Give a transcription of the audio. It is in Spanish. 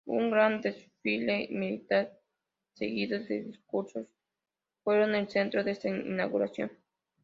Un gran desfile militar, seguidos de discursos fueron el centro de esta inauguración.